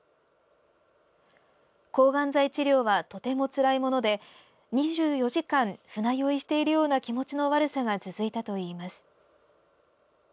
抗がん剤治療はとてもつらいもので２４時間、船酔いしているような気持ちの悪さが続いたといいます。